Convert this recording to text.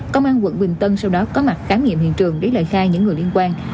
công an quận bình tân sau đó có mặt khám nghiệm hiện trường lấy lời khai những người liên quan